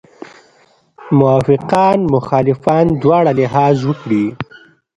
موافقان مخالفان دواړه لحاظ وکړي.